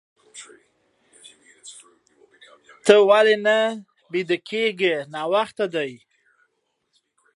ته ولې نه بيده کيږې؟ ناوخته دي.